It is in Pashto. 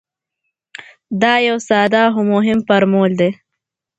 دا یو ساده خو مهم فرمول دی.